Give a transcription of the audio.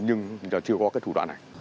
nhưng chưa có cái thủ đoạn này